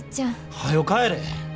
はよ帰れ！